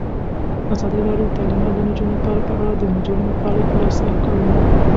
ازادي راډیو د تعلیمات د نجونو لپاره په اړه د مجلو مقالو خلاصه کړې.